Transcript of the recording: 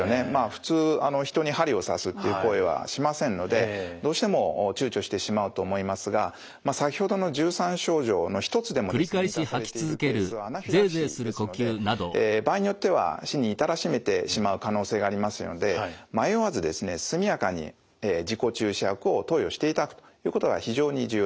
普通人に針を刺すっていう行為はしませんのでどうしても躊躇してしまうと思いますが先ほどの１３症状の一つでもですね満たされているケースはアナフィラキシーですので場合によっては死に至らしめてしまう可能性がありますので迷わず速やかに自己注射薬を投与していただくということが非常に重要です。